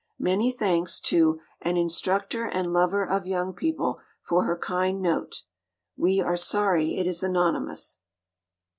Many thanks to "an instructor and lover of young people" for her kind note. We are sorry it is anonymous.